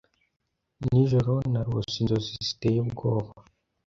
Nijoro narose inzozi ziteye ubwoba.